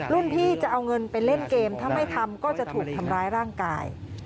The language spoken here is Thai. พี่จะเอาเงินไปเล่นเกมถ้าไม่ทำก็จะถูกทำร้ายร่างกาย